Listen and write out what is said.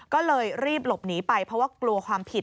ก็เลยรีบหลบหนีไปเพราะว่ากลัวความผิด